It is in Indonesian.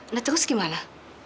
nah terus gimana